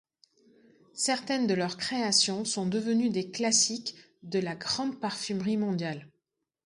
Certaines de leurs créations sont devenues des classiques de la grande parfumerie mondiale.